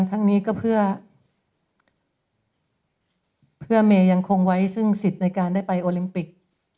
ทั้งนี้ก็เพื่อเมย์ยังคงไว้ซึ่งสิทธิ์ในการได้ไปโอลิมปิก